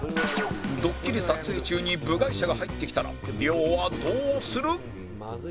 ドッキリ撮影中に部外者が入ってきたら亮はどうする？